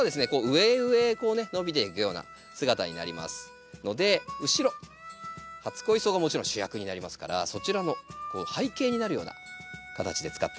上へ上へこうね伸びていくような姿になりますので後ろ初恋草がもちろん主役になりますからそちらの背景になるような形で使っていきたいと思います。